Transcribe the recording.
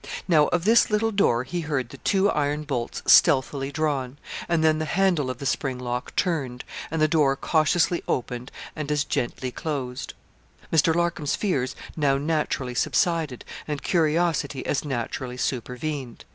Now, of this little door he heard the two iron bolts stealthily drawn, and then the handle of the spring lock turned, and the door cautiously opened, and as gently closed. Mr. Larcom's fears now naturally subsided, and curiosity as naturally supervened.